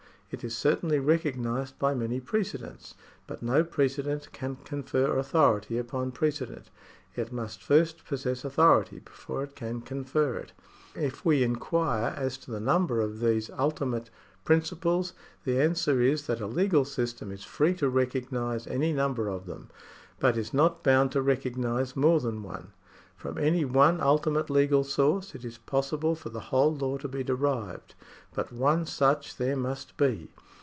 It is certainly recognised by many precedents, but no pre cedent can confer authority upon precedent. It must jSrst possess authority before it can confer it. If we inquire as to the number of these ultimate prin ciples, the answer is that a legal system is free to recognise 126 THE SOURCES OF LAW [§ 49 any number of them, but is not bound to recognise more than one. From any one ultimate legal source it is possible for the whole law to be derived, but one such there must be.